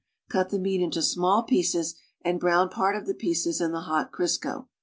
Cut the meat into small pieces, and brown part of the pieces in the hot Crisco.